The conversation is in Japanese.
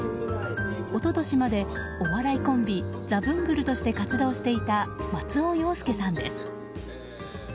一昨年までお笑いコンビザブングルとして活動していた松尾陽介さんです。